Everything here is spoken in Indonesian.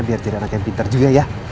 biar jadi anak yang pintar juga ya